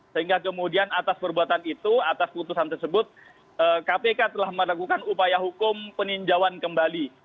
sehingga kemudian atas perbuatan itu atas putusan tersebut kpk telah meragukan upaya hukum peninjauan kembali